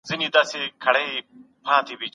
د مارکسیزم تحولات په چټکۍ پیل سول.